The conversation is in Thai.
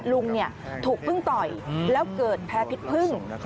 ลุงถูกพึ่งต่อยแล้วเกิดแพ้พิษพึ่ง